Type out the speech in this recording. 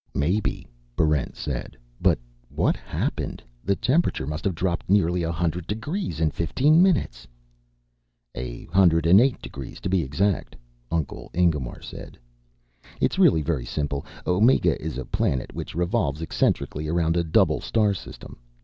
"Maybe," Barrent said. "But what happened? The temperature must have dropped nearly a hundred degrees in fifteen minutes." "A hundred and eight degrees to be exact," Uncle Ingemar said. "It's really very simple. Omega is a planet which revolves eccentrically around a double star system.